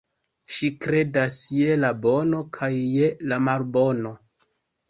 Ŝi kredas je la bono kaj je la malbono.